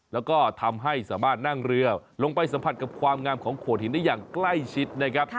แล้วก็ทำให้สามารถนั่งเรือลงไปสัมผัสกับความงามของโขดหินได้อย่างใกล้ชิดนะครับ